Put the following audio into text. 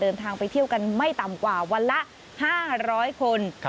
เดินทางไปเที่ยวกันไม่ต่ำกว่าวันละ๕๐๐คน